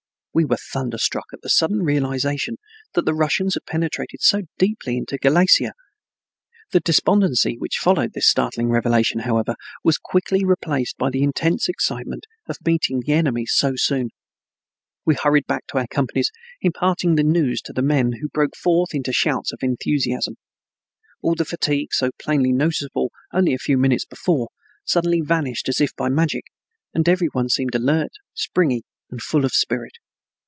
We were thunderstruck at the sudden realization that the Russians had penetrated so deeply into Galicia. The despondency which followed this startling revelation, however, was quickly replaced by the intense excitement of meeting the enemy so soon. We hurried back to our companies, imparting the news to the men, who broke forth into shouts of enthusiasm. All the fatigue so plainly noticeable only a few minutes before, suddenly vanished as if by magic, and every one seemed alert, springy, and full of spirit.